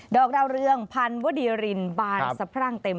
อกดาวเรืองพันธวดีรินบานสะพรั่งเต็ม